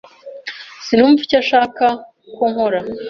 Sinumva icyo ashaka ko nkora.